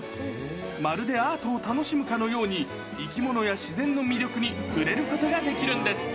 まるでアートを楽しむかのように、生き物や自然の魅力に触れることができるんです。